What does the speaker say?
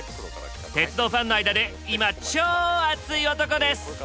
鉄道ファンの間で今超熱い男です！